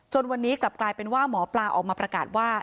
วันนี้กลับกลายเป็นว่าหมอปลาออกมาประกาศว่า